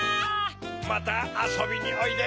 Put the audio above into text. またあそびにおいで。